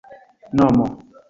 nomo